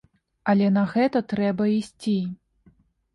Але на гэта трэба ісці.